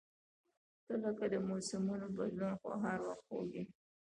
• ته لکه د موسمونو بدلون، خو هر وخت خوږ یې.